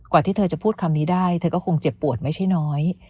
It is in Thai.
ที่เธอจะพูดคำนี้ได้เธอก็คงเจ็บปวดไม่ใช่น้อย